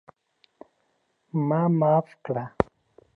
ما معاف کړه!